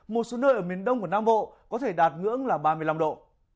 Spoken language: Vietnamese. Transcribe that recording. một số nơi ở miền đông của nam bộ có thể đạt ngưỡng là ba mươi năm độ